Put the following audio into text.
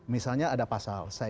misalnya ada pasal